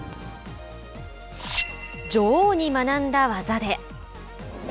女王に学んだ技で。